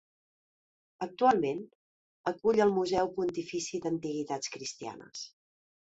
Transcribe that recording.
Actualment, acull el Museu Pontifici d'Antiguitats Cristianes.